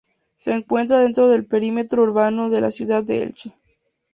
Se encuentra dentro del perímetro urbano de la ciudad de Elche.